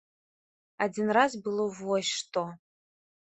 Адзін раз было вось што.